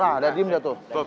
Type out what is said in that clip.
nah dia diem tuh